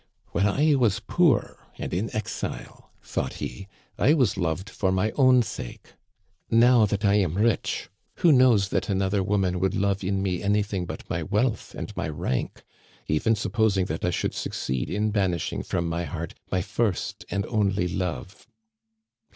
" When I was poor and in exile," thought he, " I was loved for my own sake ; now that I am rich, who knows that another woman would love in me anything but my wealth and my rank, even suppos ing that I should succeed in banishing from my heart my first and only love."